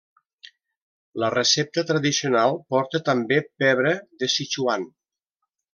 La recepta tradicional porta també pebre de Sichuan.